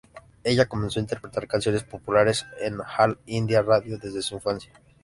Ella comenzó a interpretar canciones populares en All India Radio desde su infancia.